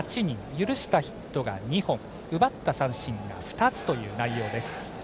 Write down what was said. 許したヒットが２本奪った三振が２つという内容です。